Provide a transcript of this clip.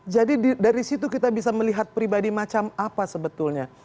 jadi dari situ kita bisa melihat pribadi macam apa sebetulnya